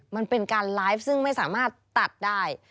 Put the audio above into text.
มันเป็นการไลฟ์ซึ่งไม่สามารถตัดได้